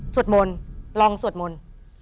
สวดมนต์ลองสวดมนต์